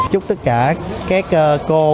chúc tất cả các cô